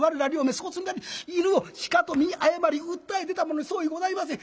粗こつになり犬を鹿と見誤り訴え出たものに相違ございません。